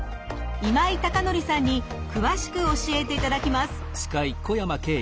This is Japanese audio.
今井孝成さんに詳しく教えていただきます。